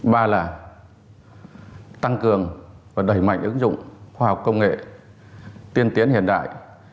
ba là tăng cường và đẩy mạnh ứng dụng khoa học công nghệ tiên tiến hiện đại